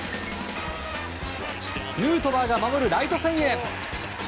ヌートバーが守るライト線へ！